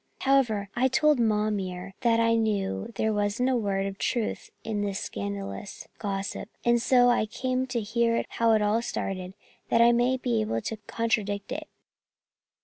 "However, I told Ma Mere that I knew there wasn't a word of truth in the scandalous gossip, and so I came to hear how it all started that I may be able to contradict it."